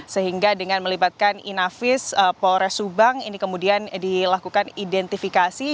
sehingga dengan melibatkan inavis polres subang ini kemudian dilakukan identifikasi